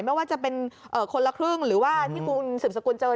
ไม่ว่าจะเป็นคนละครึ่งหรือว่าที่คุณสืบสกุลเจอ